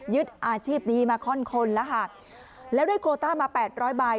อาชีพนี้มาค่อนคนแล้วค่ะแล้วได้โคต้ามาแปดร้อยใบ